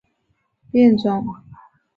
戈壁针茅为禾本科针茅属下的一个变种。